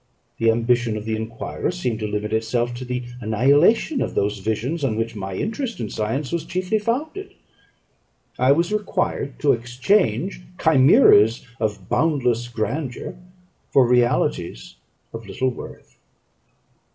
The ambition of the enquirer seemed to limit itself to the annihilation of those visions on which my interest in science was chiefly founded. I was required to exchange chimeras of boundless grandeur for realities of little worth.